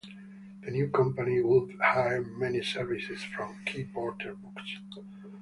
The new company would hire many services from Key Porter Books.